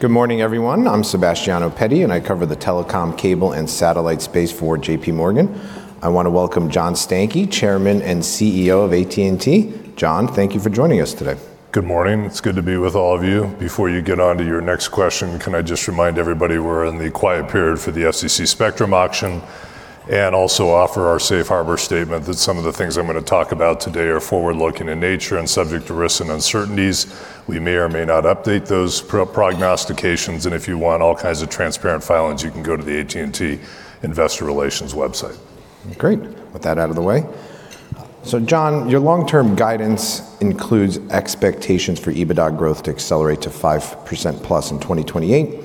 Good morning, everyone. I'm Sebastiano Petti, and I cover the telecom cable and satellite space for JPMorgan. I wanna welcome John Stankey, Chairman and Chief Executive Officer of AT&T. John, thank you for joining us today. Good morning. It's good to be with all of you. Before you get onto your next question, can I just remind everybody we're in the quiet period for the FCC spectrum auction and also offer our Safe Harbor statement that some of the things I'm gonna talk about today are forward-looking in nature and subject to risks and uncertainties. We may or may not update those prognostications, and if you want all kinds of transparent filings, you can go to the AT&T Investor Relations website. Great. With that out of the way. John, your long-term guidance includes expectations for EBITDA growth to accelerate to 5%+ in 2028.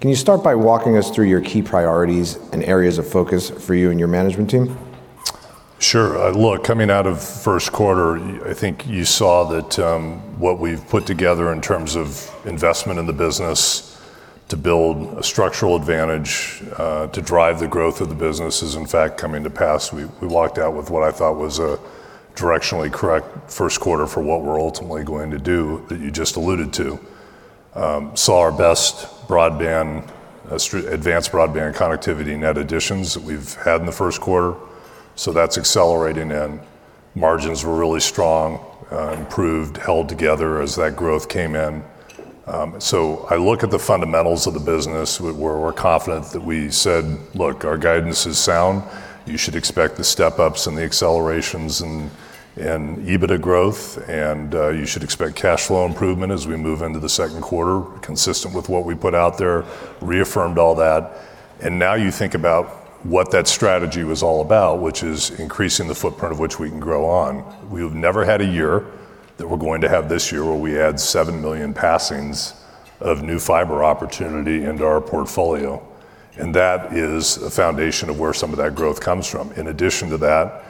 Can you start by walking us through your key priorities and areas of focus for you and your management team? Sure. Look, coming out of first quarter, I think you saw that, what we've put together in terms of investment in the business to build a structural advantage, to drive the growth of the business is in fact coming to pass. We walked out with what I thought was a directionally correct first quarter for what we're ultimately going to do that you just alluded to. Saw our best broadband, advanced broadband connectivity net additions that we've had in the first quarter, so that's accelerating and margins were really strong, improved, held together as that growth came in. I look at the fundamentals of the business. We're confident that we said, Look, our guidance is sound. You should expect the step-ups and the accelerations and EBITDA growth, and you should expect cash flow improvement as we move into the second quarter, consistent with what we put out there, reaffirmed all that. Now you think about what that strategy was all about, which is increasing the footprint of which we can grow on. We've never had a year that we're going to have this year where we add 7 million passings of new fiber opportunity into our portfolio, and that is a foundation of where some of that growth comes from. In addition to that,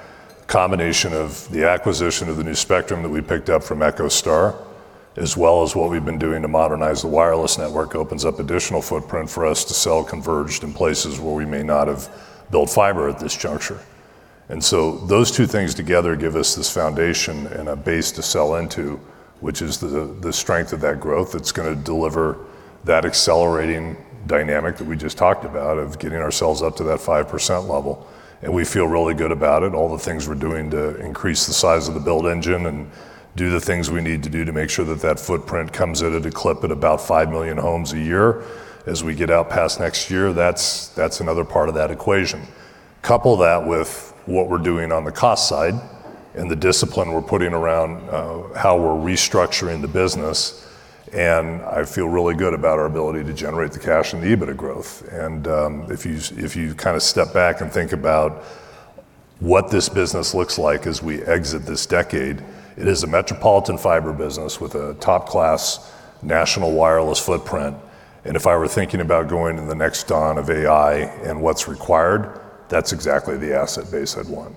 combination of the acquisition of the new spectrum that we picked up from EchoStar, as well as what we've been doing to modernize the wireless network opens up additional footprint for us to sell converged in places where we may not have built fiber at this juncture. Those two things together give us this foundation and a base to sell into, which is the strength of that growth that's gonna deliver that accelerating dynamic that we just talked about of getting ourselves up to that 5% level. We feel really good about it, all the things we're doing to increase the size of the build engine and do the things we need to do to make sure that that footprint comes at a clip at about 5 million homes a year. As we get out past next year, that's another part of that equation. Couple that with what we're doing on the cost side and the discipline we're putting around how we're restructuring the business, and I feel really good about our ability to generate the cash and the EBITDA growth. If you kinda step back and think about what this business looks like as we exit this decade, it is a metropolitan fiber business with a top-class national wireless footprint. If I were thinking about going in the next dawn of AI and what's required, that's exactly the asset base I'd want.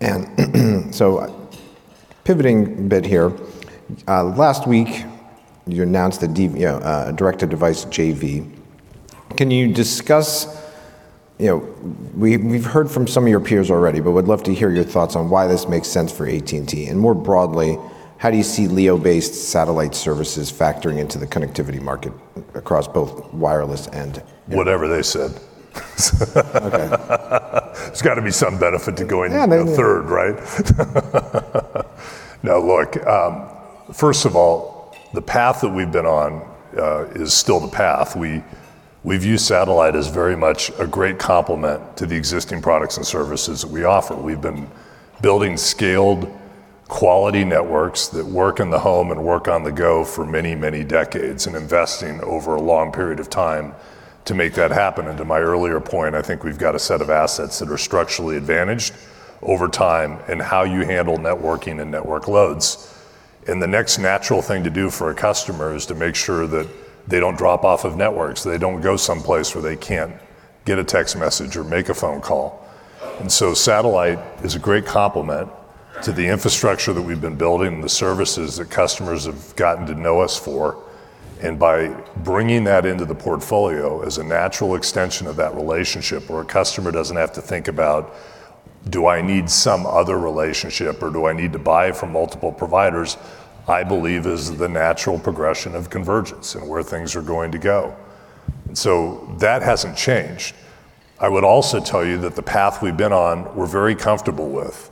Great. Pivoting a bit here, last week you announced a direct-to-device JV. Can you discuss You know, we've heard from some of your peers already, but would love to hear your thoughts on why this makes sense for AT&T, and more broadly, how do you see LEO-based satellite services factoring into the connectivity market across both wireless and- Whatever they said. Okay. There's gotta be some benefit to going a third, right? Now look, first of all, the path that we've been on, is still the path. We view satellite as very much a great complement to the existing products and services that we offer. We've been building scaled quality networks that work in the home and work on the go for many, many decades and investing over a long period of time to make that happen. To my earlier point, I think we've got a set of assets that are structurally advantaged over time in how you handle networking and network loads. The next natural thing to do for a customer is to make sure that they don't drop off of networks, they don't go someplace where they can't get a text message or make a phone call. Satellite is a great complement to the infrastructure that we've been building, the services that customers have gotten to know us for. By bringing that into the portfolio as a natural extension of that relationship where a customer doesn't have to think about, Do I need some other relationship or do I need to buy from multiple providers? I believe is the natural progression of convergence and where things are going to go. That hasn't changed. I would also tell you that the path we've been on we're very comfortable with.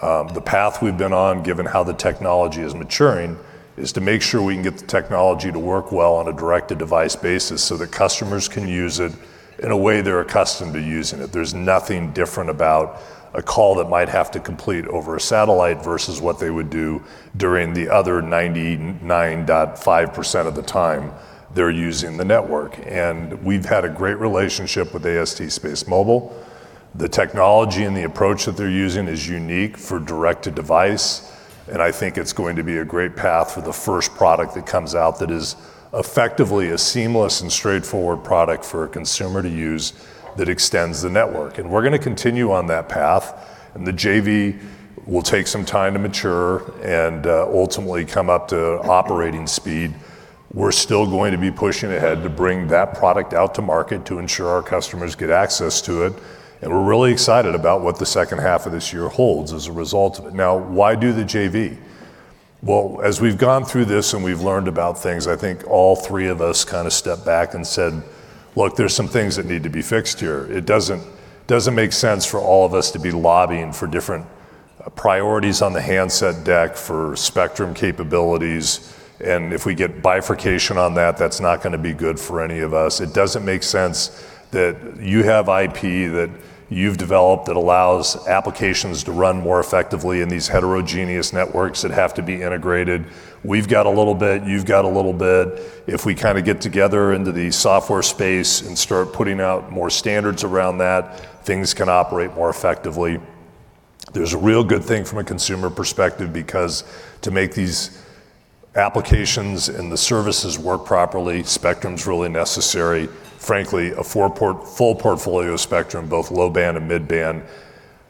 The path we've been on, given how the technology is maturing, is to make sure we can get the technology to work well on a direct-to-device basis so that customers can use it in a way they're accustomed to using it. There's nothing different about a call that might have to complete over a satellite versus what they would do during the other 99.5% of the time they're using the network. We've had a great relationship with AST SpaceMobile. The technology and the approach that they're using is unique for direct-to-device, and I think it's going to be a great path for the first product that comes out that is effectively a seamless and straightforward product for a consumer to use that extends the network. We're gonna continue on that path, and the JV will take some time to mature and ultimately come up to operating speed. We're still going to be pushing ahead to bring that product out to market to ensure our customers get access to it, and we're really excited about what the second half of this year holds as a result of it. Now why do the JV? Well, as we've gone through this and we've learned about things, I think all three of us kind of stepped back and said, Look, there's some things that need to be fixed here. It doesn't make sense for all of us to be lobbying for different priorities on the handset deck for spectrum capabilities, and if we get bifurcation on that's not gonna be good for any of us. It doesn't make sense that you have IP that you've developed that allows applications to run more effectively in these heterogeneous networks that have to be integrated. We've got a little bit, you've got a little bit. If we kind of get together into the software space and start putting out more standards around that, things can operate more effectively. There's a real good thing from a consumer perspective because to make these applications and the services work properly, spectrum's really necessary. Frankly, a full portfolio spectrum, both low-band and mid-band.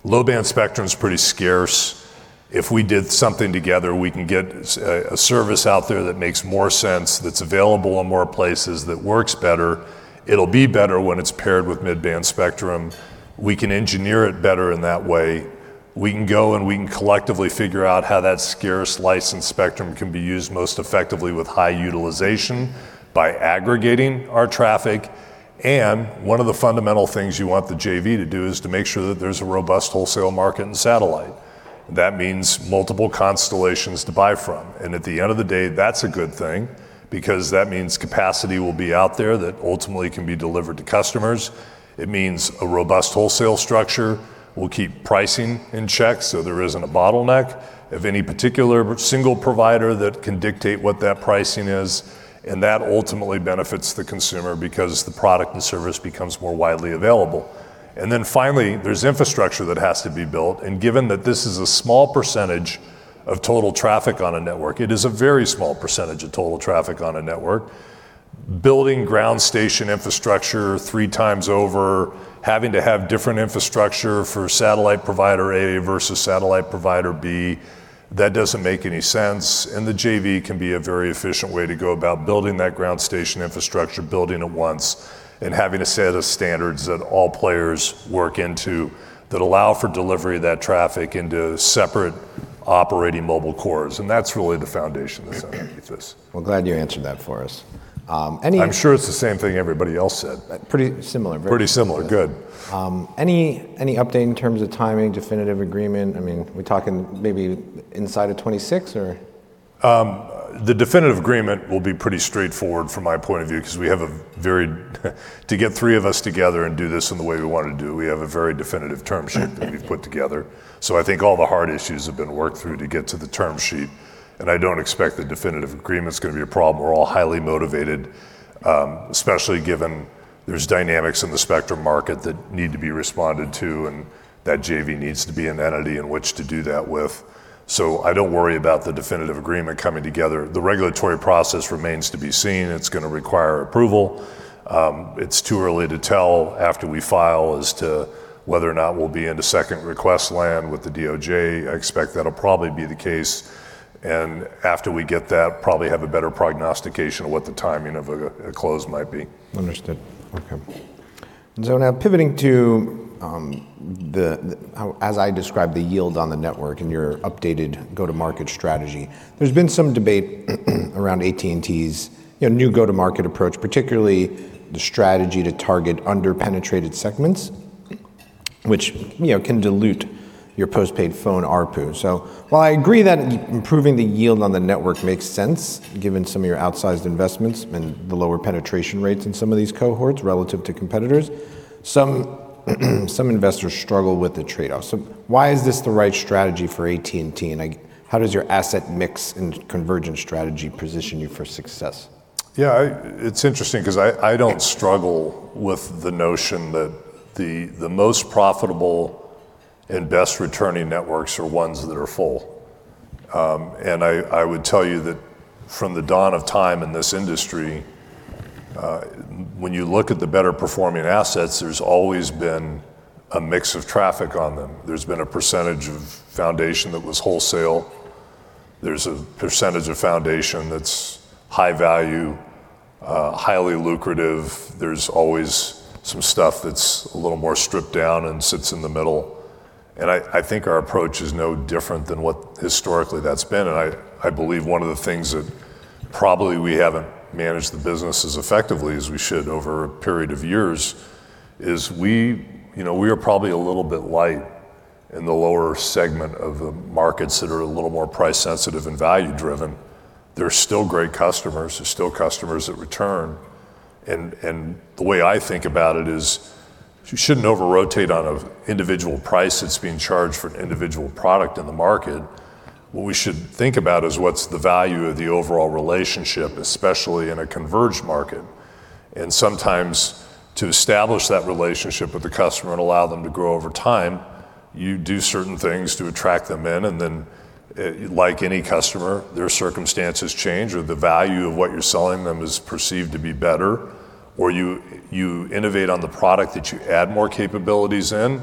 Low-band spectrum's pretty scarce. If we did something together, we can get a service out there that makes more sense, that's available in more places, that works better. It'll be better when it's paired with mid-band spectrum. We can engineer it better in that way. We can go and we can collectively figure out how that scarce licensed spectrum can be used most effectively with high utilization by aggregating our traffic, and one of the fundamental things you want the JV to do is to make sure that there's a robust wholesale market in satellite. That means multiple constellations to buy from. At the end of the day, that's a good thing because that means capacity will be out there that ultimately can be delivered to customers. It means a robust wholesale structure will keep pricing in check so there isn't a bottleneck of any particular single provider that can dictate what that pricing is, and that ultimately benefits the consumer because the product and service becomes more widely available. There's infrastructure that has to be built, and given that this is a small percentage of total traffic on a network, it is a very small percentage of total traffic on a network. Building ground station infrastructure three times over, having to have different infrastructure for satellite provider A versus satellite provider B, that doesn't make any sense, and the JV can be a very efficient way to go about building that ground station infrastructure, building it once, and having a set of standards that all players work into that allow for delivery of that traffic into separate operating mobile cores, and that's really the foundation that's underneath this. Glad you answered that for us. I'm sure it's the same thing everybody else said. Pretty similar. Pretty similar. Good. Any update in terms of timing, definitive agreement? I mean, we talking maybe inside of 2026 or? The definitive agreement will be pretty straightforward from my point of view 'cause we have a very definitive term sheet that we've put together. I think all the hard issues have been worked through to get to the term sheet, and I don't expect the definitive agreement's gonna be a problem. We're all highly motivated, especially given there's dynamics in the spectrum market that need to be responded to, and that JV needs to be an entity in which to do that with. I don't worry about the definitive agreement coming together. The regulatory process remains to be seen. It's gonna require approval. It's too early to tell after we file as to whether or not we'll be into second request land with the DOJ. I expect that'll probably be the case, and after we get that, probably have a better prognostication of what the timing of a close might be. Understood. Okay. Now pivoting to how as I describe the yield on the network and your updated go-to-market strategy. There's been some debate around AT&T's, you know, new go-to-market approach, particularly the strategy to target under-penetrated segments, which, you know, can dilute your post-paid phone ARPU. While I agree that improving the yield on the network makes sense given some of your outsized investments and the lower penetration rates in some of these cohorts relative to competitors, some investors struggle with the trade-off. Why is this the right strategy for AT&T? Like how does your asset mix and convergent strategy position you for success? Yeah, I it's interesting 'cause I don't struggle with the notion that the most profitable and best returning networks are ones that are full. I would tell you that from the dawn of time in this industry, when you look at the better performing assets, there's always been a mix of traffic on them. There's been a percentage of foundation that was wholesale. There's a percentage of foundation that's high value, highly lucrative. There's always some stuff that's a little more stripped down and sits in the middle. I think our approach is no different than what historically that's been, I believe one of the things that probably we haven't managed the business as effectively as we should over a period of years is, you know, we are probably a little bit light in the lower segment of the markets that are a little more price sensitive and value driven. They're still great customers. They're still customers that return. The way I think about it is you shouldn't over-rotate on a individual price that's being charged for an individual product in the market. What we should think about is what's the value of the overall relationship, especially in a converged market. Sometimes to establish that relationship with the customer and allow them to grow over time, you do certain things to attract them in, then, like any customer, their circumstances change or the value of what you're selling them is perceived to be better, or you innovate on the product that you add more capabilities in,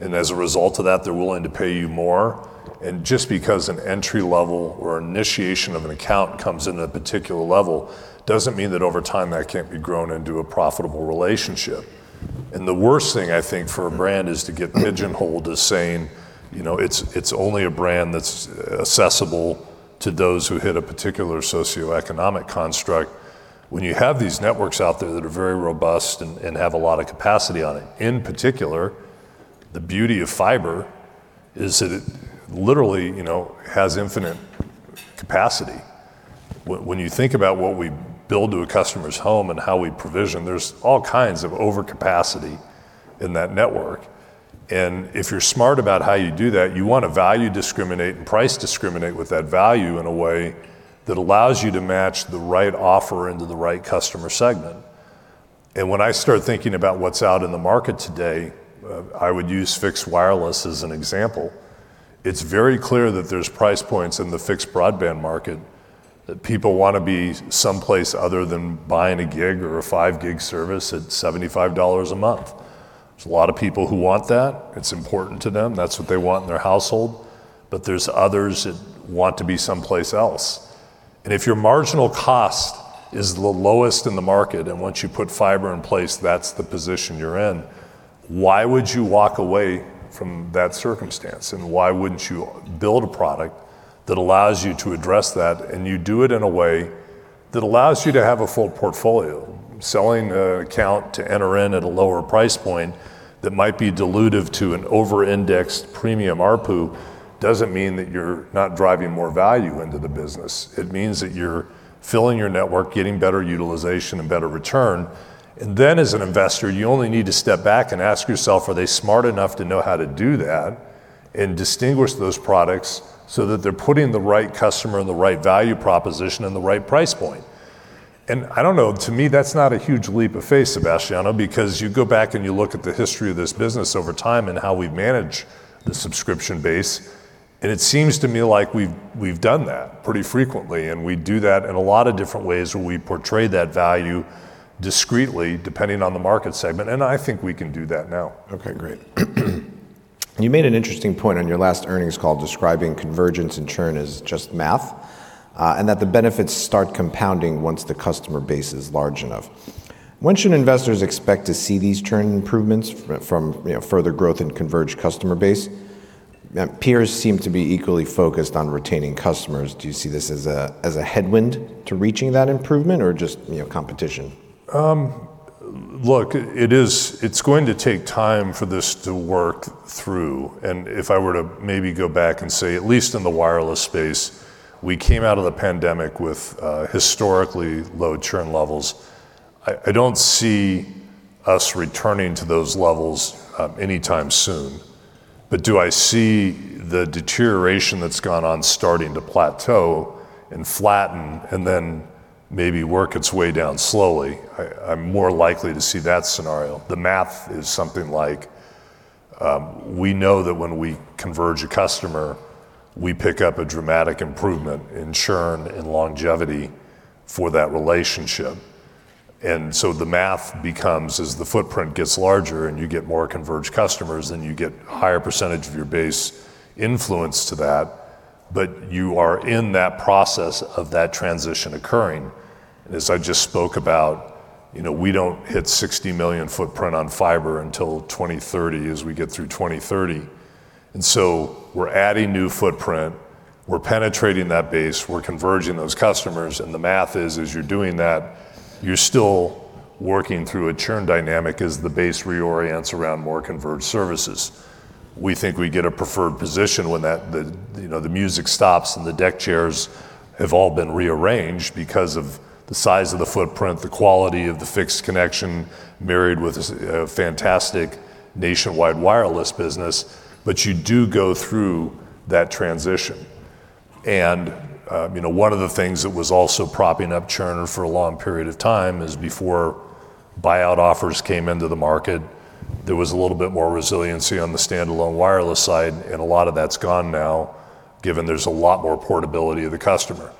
and as a result of that, they're willing to pay you more. Just because an entry level or initiation of an account comes in at a particular level doesn't mean that over time that can't be grown into a profitable relationship. The worst thing, I think, for a brand is to get pigeonholed as saying, you know, it's only a brand that's accessible to those who hit a particular socioeconomic construct. When you have these networks out there that are very robust and have a lot of capacity on it, in particular, the beauty of fiber is that it literally, you know, has infinite capacity. When you think about what we build to a customer's home and how we provision, there's all kinds of overcapacity in that network, and if you're smart about how you do that, you want to value discriminate and price discriminate with that value in a way that allows you to match the right offer into the right customer segment. When I start thinking about what's out in the market today, I would use fixed wireless as an example. It's very clear that there's price points in the fixed broadband market that people wanna be someplace other than buying a gig or a 5 Gb service at $75 a month. There's a lot of people who want that. It's important to them. That's what they want in their household. There's others that want to be someplace else. If your marginal cost is the lowest in the market, and once you put fiber in place, that's the position you're in, why would you walk away from that circumstance? Why wouldn't you build a product that allows you to address that and you do it in a way that allows you to have a full portfolio? Selling an account to enter in at a lower price point that might be dilutive to an over-indexed premium ARPU doesn't mean that you're not driving more value into the business. It means that you're filling your network, getting better utilization and better return. Then as an investor, you only need to step back and ask yourself, are they smart enough to know how to do that and distinguish those products so that they're putting the right customer and the right value proposition and the right price point? I don't know. To me, that's not a huge leap of faith, Sebastiano, because you go back and you look at the history of this business over time and how we manage the subscription base, and it seems to me like we've done that pretty frequently, and we do that in a lot of different ways where we portray that value discreetly, depending on the market segment, and I think we can do that now. Okay, great. You made an interesting point on your last earnings call describing convergence and churn as just math, and that the benefits start compounding once the customer base is large enough. When should investors expect to see these churn improvements from, you know, further growth in converged customer base? Peers seem to be equally focused on retaining customers. Do you see this as a headwind to reaching that improvement or just, you know, competition? Look, it's going to take time for this to work through, and if I were to maybe go back and say, at least in the wireless space, we came out of the pandemic with historically low churn levels. I don't see us returning to those levels anytime soon. Do I see the deterioration that's gone on starting to plateau and flatten and then maybe work its way down slowly? I'm more likely to see that scenario. The math is something like, we know that when we converge a customer, we pick up a dramatic improvement in churn and longevity for that relationship. The math becomes as the footprint gets larger and you get more converged customers, then you get higher percentage of your base influence to that, but you are in that process of that transition occurring. As I just spoke about, you know, we don't hit 60 million footprint on fiber until 2030, as we get through 2030. So we're adding new footprint, we're penetrating that base, we're converging those customers, and the math is, as you're doing that, you're still working through a churn dynamic as the base reorients around more converged services. We think we get a preferred position when that, the, you know, the music stops and the deck chairs have all been rearranged because of the size of the footprint, the quality of the fixed connection married with this fantastic nationwide wireless business. You do go through that transition. You know, one of the things that was also propping up churn for a long period of time is before buyout offers came into the market, there was a little bit more resiliency on the standalone wireless side, and a lot of that's gone now given there's a lot more portability of the customer.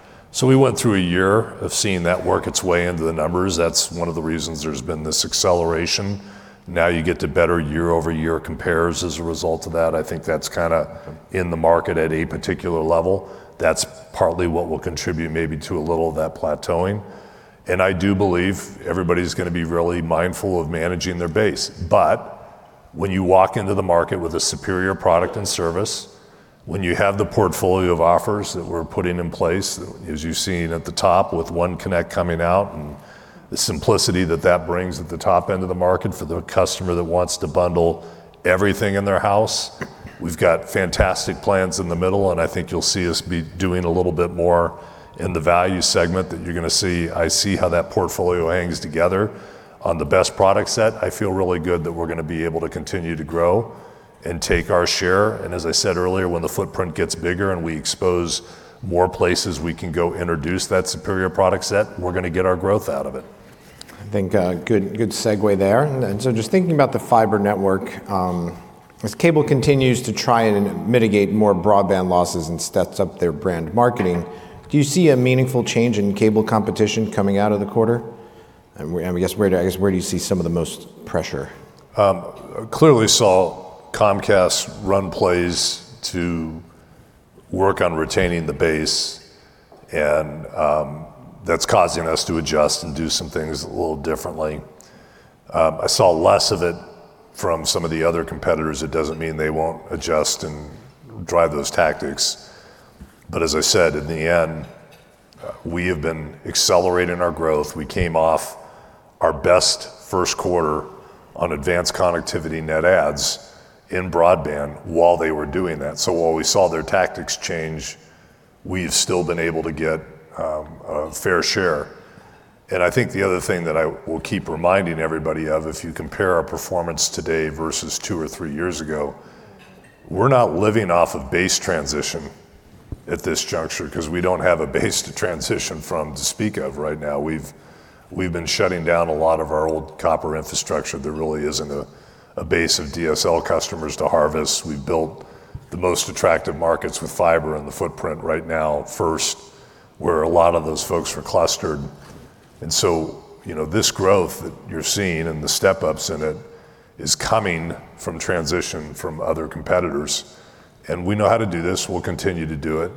We went through a year of seeing that work its way into the numbers. That's one of the reasons there's been this acceleration. You get to better year-over-year compares as a result of that. I think that's kinda in the market at a particular level. That's partly what will contribute maybe to a little of that plateauing. I do believe everybody's gonna be really mindful of managing their base. When you walk into the market with a superior product and service, when you have the portfolio of offers that we're putting in place, as you've seen at the top with OneConnect coming out and the simplicity that that brings at the top end of the market for the customer that wants to bundle everything in their house, we've got fantastic plans in the middle, and I think you'll see us be doing a little bit more in the value segment that you're gonna see. I see how that portfolio hangs together on the best product set. I feel really good that we're gonna be able to continue to grow and take our share. As I said earlier, when the footprint gets bigger and we expose more places we can go introduce that superior product set, we're gonna get our growth out of it. I think, good segue there. Just thinking about the fiber network, as cable continues to try and mitigate more broadband losses and steps up their brand marketing, do you see a meaningful change in cable competition coming out of the quarter? I guess where do you see some of the most pressure? Clearly saw Comcast run plays to work on retaining the base, and that's causing us to adjust and do some things a little differently. I saw less of it from some of the other competitors. It doesn't mean they won't adjust and drive those tactics. As I said, in the end, we have been accelerating our growth. We came off our best first quarter on advanced connectivity net adds in broadband while they were doing that. While we saw their tactics change, we've still been able to get a fair share. I think the other thing that I will keep reminding everybody of, if you compare our performance today versus two or three years ago, we're not living off of base transition at this juncture 'cause we don't have a base to transition from to speak of right now. We've been shutting down a lot of our old copper infrastructure. There really isn't a base of DSL customers to harvest. We've built the most attractive markets with fiber and the footprint right now first, where a lot of those folks are clustered. You know, this growth that you're seeing and the step-ups in it is coming from transition from other competitors. We know how to do this. We'll continue to do it,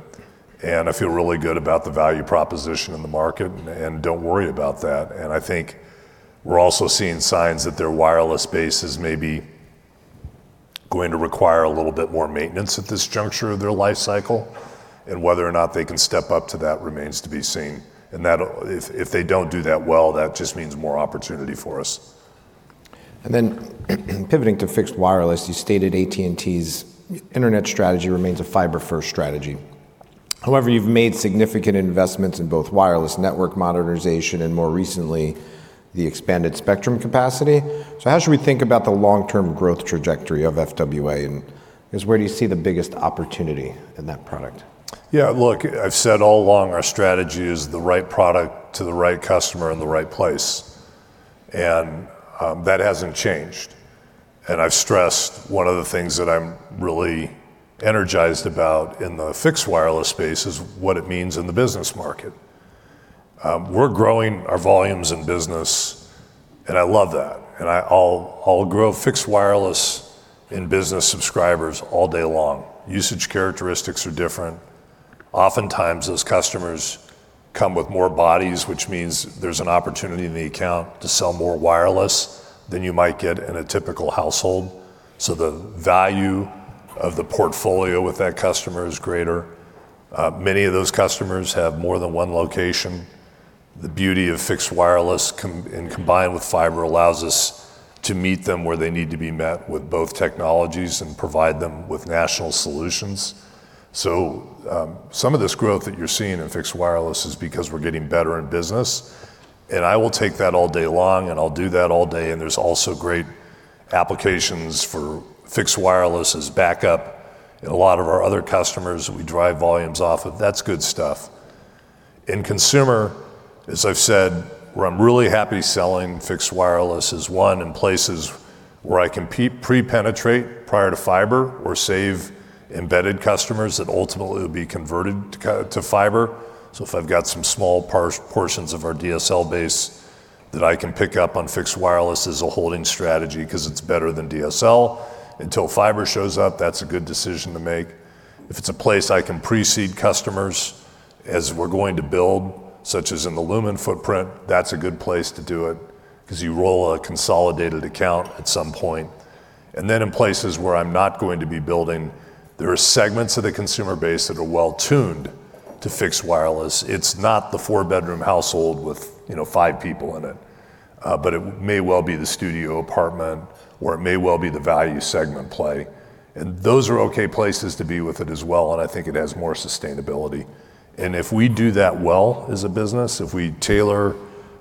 and I feel really good about the value proposition in the market and don't worry about that. I think we're also seeing signs that their wireless base is maybe going to require a little bit more maintenance at this juncture of their life cycle, and whether or not they can step up to that remains to be seen. If they don't do that well, that just means more opportunity for us. Pivoting to fixed wireless, you stated AT&T's internet strategy remains a fiber-first strategy. However, you've made significant investments in both wireless network modernization and, more recently, the expanded spectrum capacity. How should we think about the long-term growth trajectory of FWA, and just where do you see the biggest opportunity in that product? Yeah. Look, I've said all along our strategy is the right product to the right customer in the right place, and that hasn't changed. I've stressed one of the things that I'm really energized about in the fixed wireless space is what it means in the business market. We're growing our volumes in business, and I love that. I'll grow fixed wireless in business subscribers all day long. Usage characteristics are different. Oftentimes, those customers come with more bodies, which means there's an opportunity in the account to sell more wireless than you might get in a typical household. The value of the portfolio with that customer is greater. Many of those customers have more than one location. The beauty of fixed wireless and combined with fiber allows us to meet them where they need to be met with both technologies and provide them with national solutions. Some of this growth that you're seeing in fixed wireless is because we're getting better in business, I will take that all day long, and I'll do that all day. There's also great applications for fixed wireless as backup in a lot of our other customers we drive volumes off of. That's good stuff. In consumer, as I've said, where I'm really happy selling fixed wireless is, one, in places where I can penetrate prior to fiber or save embedded customers that ultimately will be converted to fiber. If I've got some small portions of our DSL base that I can pick up on fixed wireless as a holding strategy 'cause it's better than DSL until fiber shows up, that's a good decision to make. If it's a place I can pre-seed customers as we're going to build, such as in the Lumen footprint, that's a good place to do it 'cause you roll a consolidated account at some point. In places where I'm not going to be building, there are segments of the consumer base that are well-tuned to fixed wireless. It's not the four-bedroom household with, you know, five people in it. It may well be the studio apartment or it may well be the value segment play. Those are okay places to be with it as well, and I think it has more sustainability. If we do that well as a business, if we tailor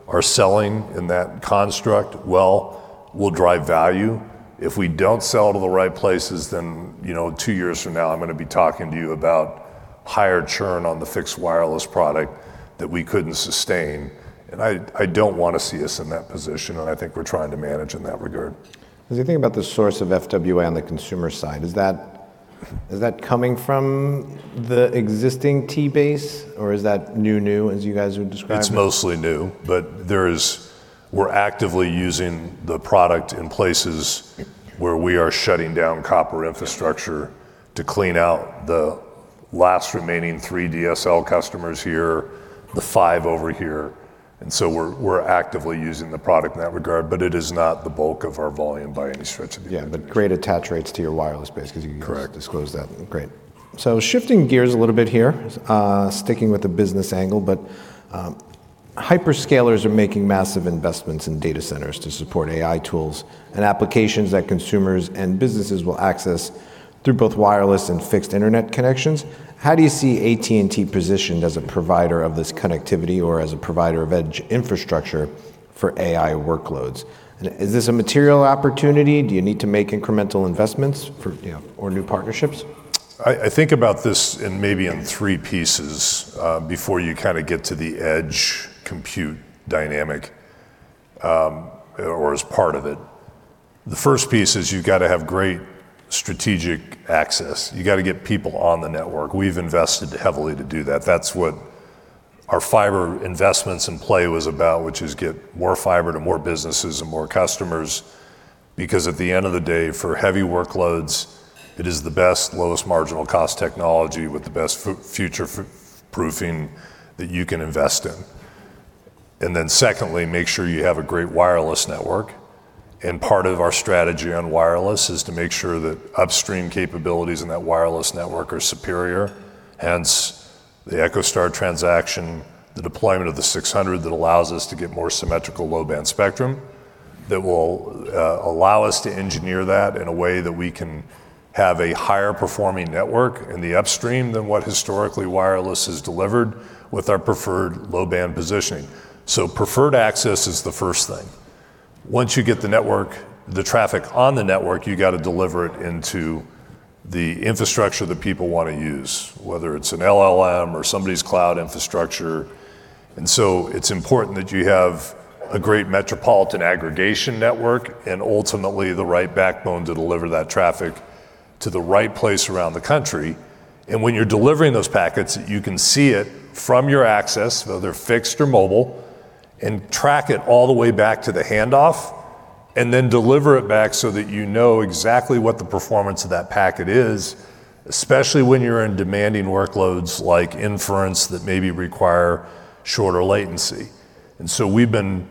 our selling in that construct well, we'll drive value. If we don't sell to the right places, then, you know, two years from now I'm gonna be talking to you about higher churn on the fixed wireless product that we couldn't sustain. I don't wanna see us in that position, and I think we're trying to manage in that regard. As you think about the source of FWA on the consumer side, is that coming from the existing AT&T base, or is that new, as you guys would describe it? It's mostly new. We're actively using the product in places where we are shutting down copper infrastructure to clean out the last remaining three DSL customers here, the five over here. We're actively using the product in that regard, but it is not the bulk of our volume by any stretch of the imagination. Yeah, great attach rates to your wireless base 'cause Correct disclose that. Great. Shifting gears a little bit here, sticking with the business angle, hyperscalers are making massive investments in data centers to support AI tools and applications that consumers and businesses will access through both wireless and fixed internet connections. How do you see AT&T positioned as a provider of this connectivity or as a provider of edge infrastructure for AI workloads? Is this a material opportunity? Do you need to make incremental investments for, you know, or new partnerships? I think about this in maybe in three pieces, before you kind of get to the edge compute dynamic, or as part of it. The first piece is you've got to have great strategic access. You got to get people on the network. We've invested heavily to do that. That's what our fiber investments in play was about, which is get more fiber to more businesses and more customers. At the end of the day, for heavy workloads, it is the best lowest marginal cost technology with the best future proofing that you can invest in. Secondly, make sure you have a great wireless network. Part of our strategy on wireless is to make sure that upstream capabilities in that wireless network are superior, hence the EchoStar transaction, the deployment of the 600 MHz that allows us to get more symmetrical low-band spectrum that will allow us to engineer that in a way that we can have a higher performing network in the upstream than what historically wireless has delivered with our preferred low-band positioning. Preferred access is the first thing. Once you get the network, the traffic on the network, you got to deliver it into the infrastructure that people want to use, whether it's an LLM or somebody's cloud infrastructure. It's important that you have a great metropolitan aggregation network and ultimately the right backbone to deliver that traffic to the right place around the country. When you're delivering those packets, you can see it from your access, whether fixed or mobile, and track it all the way back to the handoff and then deliver it back so that you know exactly what the performance of that packet is, especially when you're in demanding workloads like inference that maybe require shorter latency. We've been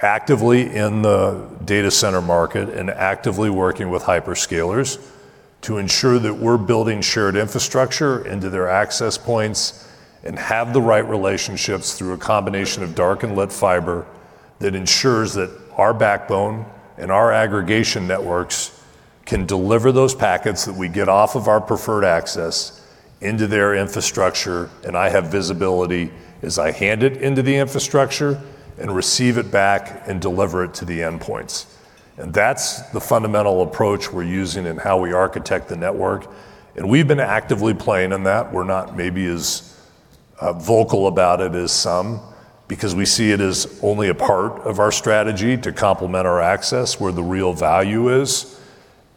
actively in the data center market and actively working with hyperscalers to ensure that we're building shared infrastructure into their access points and have the right relationships through a combination of dark and lit fiber that ensures that our backbone and our aggregation networks can deliver those packets that we get off of our preferred access into their infrastructure. I have visibility as I hand it into the infrastructure and receive it back and deliver it to the endpoints. That's the fundamental approach we're using in how we architect the network. We've been actively playing in that. We're not maybe as vocal about it as some because we see it as only a part of our strategy to complement our access where the real value is.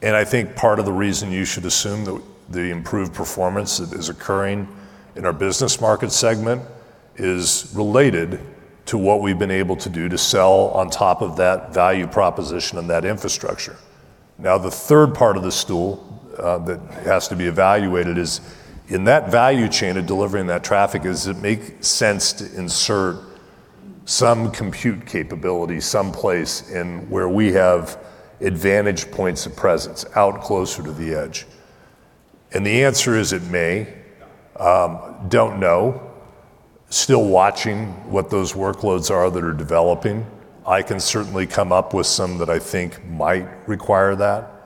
I think part of the reason you should assume the improved performance that is occurring in our business market segment is related to what we've been able to do to sell on top of that value proposition and that infrastructure. The third part of the stool that has to be evaluated is in that value chain of delivering that traffic, does it make sense to insert some compute capability someplace in where we have advantage points of presence out closer to the edge? The answer is it may. Don't know. Still watching what those workloads are that are developing. I can certainly come up with some that I think might require that.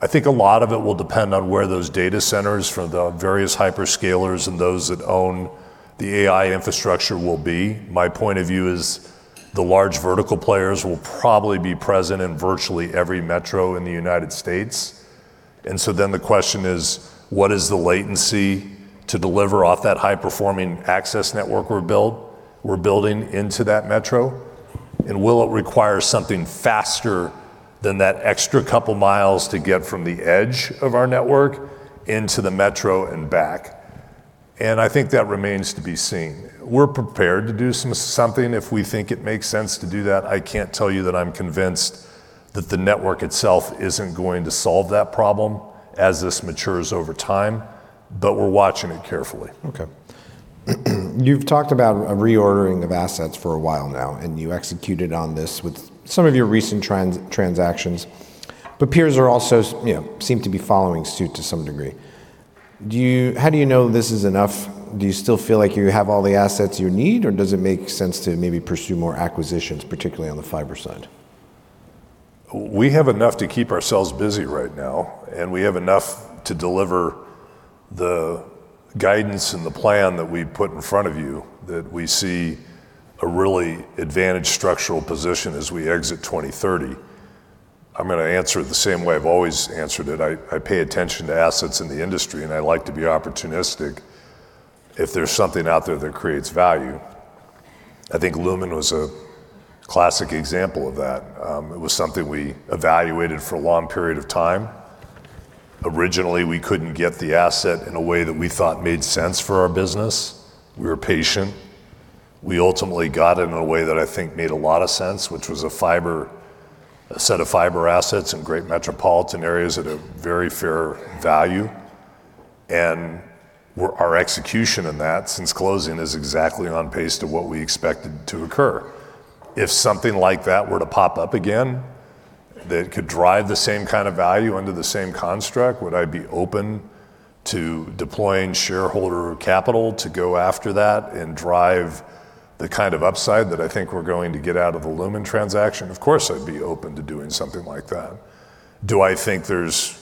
I think a lot of it will depend on where those data centers for the various hyperscalers and those that own the AI infrastructure will be. My point of view is the large vertical players will probably be present in virtually every metro in the U.S. Then the question is, what is the latency to deliver off that high-performing access network we're building into that metro? Will it require something faster than that extra couple miles to get from the edge of our network into the metro and back? I think that remains to be seen. We're prepared to do something if we think it makes sense to do that. I can't tell you that I'm convinced that the network itself isn't going to solve that problem as this matures over time, but we're watching it carefully. Okay. You've talked about a reordering of assets for a while now. You executed on this with some of your recent transactions. Peers are also, you know, seem to be following suit to some degree. How do you know this is enough? Do you still feel like you have all the assets you need, or does it make sense to maybe pursue more acquisitions, particularly on the fiber side? We have enough to keep ourselves busy right now, and we have enough to deliver the guidance and the plan that we put in front of you that we see a really advantaged structural position as we exit 2030. I'm gonna answer it the same way I've always answered it. I pay attention to assets in the industry, and I like to be opportunistic if there's something out there that creates value. I think Lumen was a classic example of that. It was something we evaluated for a long period of time. Originally, we couldn't get the asset in a way that we thought made sense for our business. We were patient. We ultimately got it in a way that I think made a lot of sense, which was a fiber, a set of fiber assets in great metropolitan areas at a very fair value. Our execution in that since closing is exactly on pace to what we expected to occur. If something like that were to pop up again that could drive the same kind of value under the same construct, would I be open to deploying shareholder capital to go after that and drive the kind of upside that I think we're going to get out of a Lumen transaction? Of course, I'd be open to doing something like that. Do I think there's,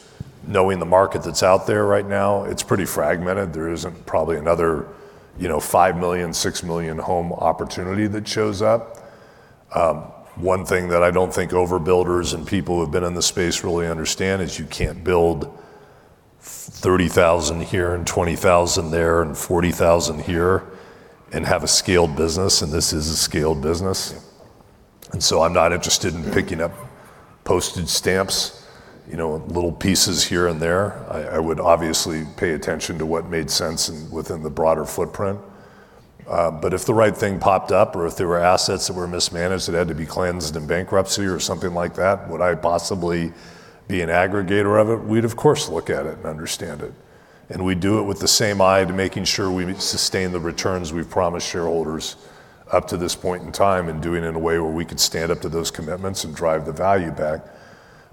knowing the market that's out there right now, it's pretty fragmented. There isn't probably another, you know, 5 million-6 million home opportunity that shows up. One thing that I don't think overbuilders and people who have been in the space really understand is you can't build 30,000 here and 20,000 there and 40,000 here and have a scaled business, and this is a scaled business. So I'm not interested in picking up postage stamps, you know, little pieces here and there. I would obviously pay attention to what made sense and within the broader footprint. If the right thing popped up, or if there were assets that were mismanaged that had to be cleansed in bankruptcy or something like that, would I possibly be an aggregator of it? We'd of course look at it and understand it, and we'd do it with the same eye to making sure we sustain the returns we've promised shareholders up to this point in time and do it in a way where we could stand up to those commitments and drive the value back.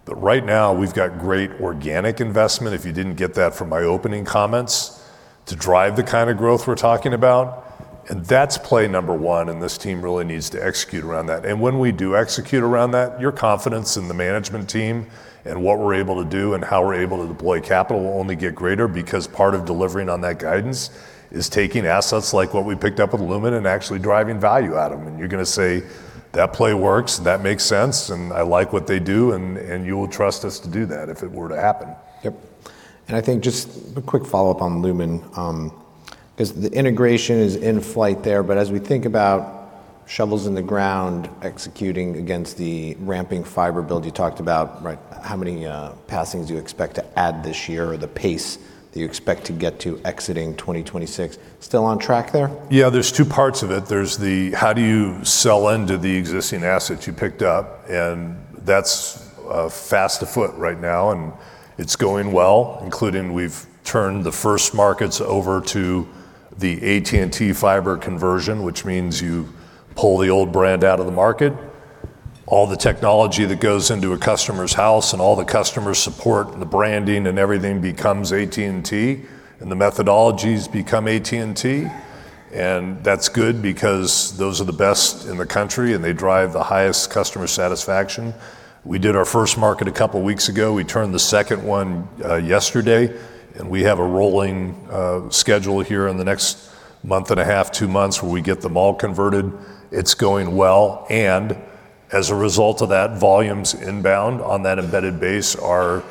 Right now we've got great organic investment, if you didn't get that from my opening comments, to drive the kind of growth we're talking about, and that's play number one, and this team really needs to execute around that. When we do execute around that, your confidence in the management team and what we're able to do and how we're able to deploy capital will only get greater because part of delivering on that guidance is taking assets like what we picked up with Lumen and actually driving value out of them. You're gonna say, That play works, that makes sense, and I like what they do. You will trust us to do that if it were to happen. Yep. I think just a quick follow-up on Lumen, 'cause the integration is in flight there, but as we think about shovels in the ground executing against the ramping fiber build you talked about, right? How many passings do you expect to add this year, or the pace that you expect to get to exiting 2026? Still on track there? Yeah, there's two parts of it. There's the how do you sell into the existing assets you picked up, and that's fast afoot right now, and it's going well, including we've turned the first markets over to the AT&T Fiber conversion, which means you pull the old brand out of the market. All the technology that goes into a customer's house and all the customer support and the branding and everything becomes AT&T, and the methodologies become AT&T, and that's good because those are the best in the country, and they drive the highest customer satisfaction. We did our first market a couple weeks ago. We turned the second one yesterday, and we have a rolling schedule here in the next month and a half, two months, where we get them all converted. It's going well, and as a result of that, volumes inbound on that embedded base are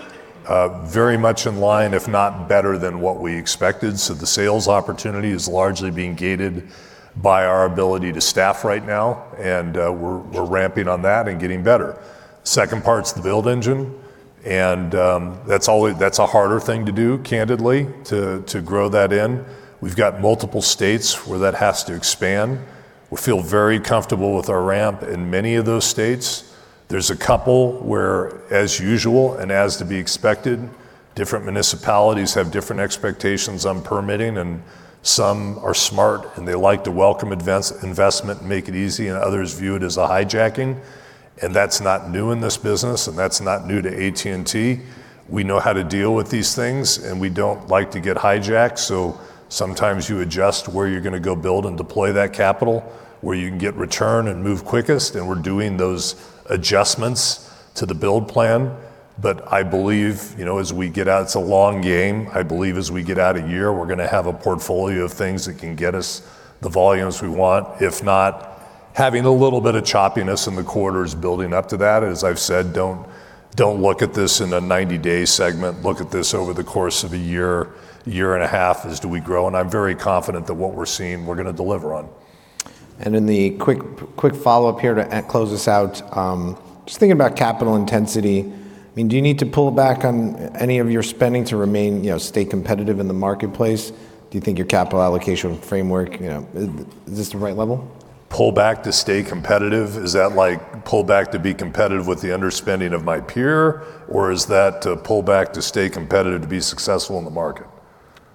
very much in line, if not better than what we expected. The sales opportunity is largely being gated by our ability to staff right now, and we're ramping on that and getting better. Second part's the build engine, and that's always a harder thing to do, candidly, to grow that in. We've got multiple states where that has to expand. We feel very comfortable with our ramp in many of those states. There's a couple where, as usual and as to be expected, different municipalities have different expectations on permitting, and some are smart, and they like to welcome investment and make it easy, and others view it as a hijacking, and that's not new in this business, and that's not new to AT&T. We know how to deal with these things, and we don't like to get hijacked, so sometimes you adjust where you're gonna go build and deploy that capital, where you can get return and move quickest, and we're doing those adjustments to the build plan. I believe, you know, as we get out, it's a long game. I believe as we get out a year, we're gonna have a portfolio of things that can get us the volumes we want. If not, having a little bit of choppiness in the quarters building up to that, as I've said, don't look at this in a 90-day segment. Look at this over the course of a year, year and a half as do we grow, and I'm very confident that what we're seeing we're gonna deliver on. Then the quick follow-up here to close this out, just thinking about capital intensity, I mean, do you need to pull back on any of your spending to remain, you know, stay competitive in the marketplace? Do you think your capital allocation framework, you know, is this the right level? Pull back to stay competitive? Is that like pull back to be competitive with the underspending of my peer, or is that to pull back to stay competitive to be successful in the market?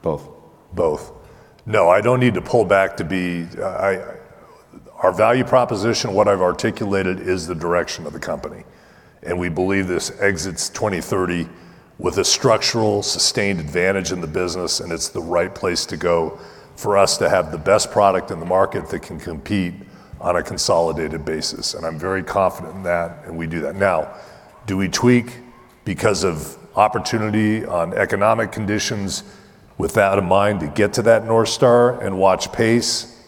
Both. Both. No, I don't need to pull back. Our value proposition, what I've articulated is the direction of the company. We believe this exits 2030 with a structural sustained advantage in the business. It's the right place to go for us to have the best product in the market that can compete on a consolidated basis. I'm very confident in that. We do that. Now, do we tweak because of opportunity on economic conditions with that in mind to get to that North Star and watch pace?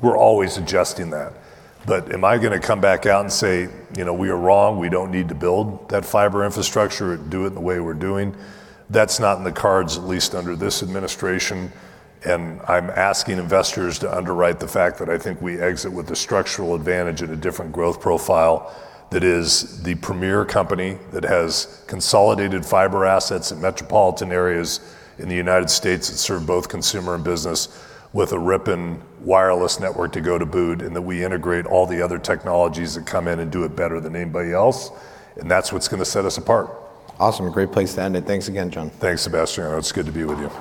We're always adjusting that. Am I gonna come back out and say, you know, We are wrong. We don't need to build that fiber infrastructure or do it the way we're doing? That's not in the cards, at least under this administration, and I'm asking investors to underwrite the fact that I think we exit with a structural advantage and a different growth profile that is the premier company that has consolidated fiber assets in metropolitan areas in the U.S. that serve both consumer and business with a ripping wireless network to go to boot, and that we integrate all the other technologies that come in and do it better than anybody else, and that's what's gonna set us apart. Awesome. Great place to end it. Thanks again, John. Thanks, Sebastiano. It's good to be with you.